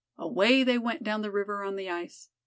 Away they went down the river on the ice.